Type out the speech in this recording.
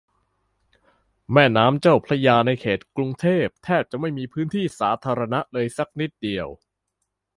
แม่น้ำเจ้าพระยาในเขตกรุงเทพ แทบจะไม่มีพื้นที่สาธารณะเลยสักนิดเดียว